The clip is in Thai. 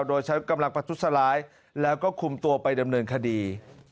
โดยใช้กำลังประทุษร้ายแล้วก็คุมตัวไปดำเนินคดี